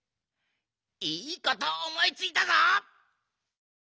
いいことおもいついたぞ！